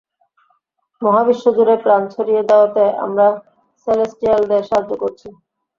মহাবিশ্ব জুড়ে প্রাণ ছড়িয়ে দেওয়াতে আমরা সেলেস্টিয়ালদের সাহায্য করেছি।